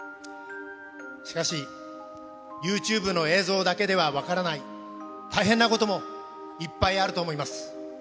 しかし、ユーチューブの映像だけでは分からない、大変なこともいっぱいあると思います。